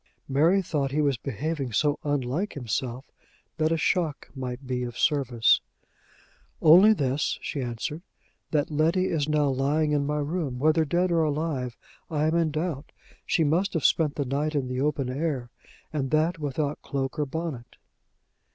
Mary thought he was behaving so unlike himself that a shock might be of service. "Only this," she answered, " that Letty is now lying in my room, whether dead or alive I am in doubt. She must have spent the night in the open air and that without cloak or bonnet."